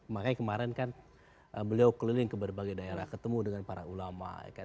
makanya kemarin kan beliau keliling ke berbagai daerah ketemu dengan para ulama